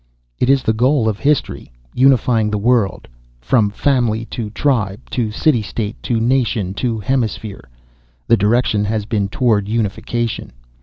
"It is the goal of history, unifying the world. From family to tribe to city state to nation to hemisphere, the direction has been toward unification.